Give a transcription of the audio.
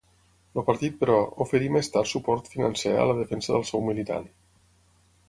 El partit, però, oferí més tard suport financer a la defensa del seu militant.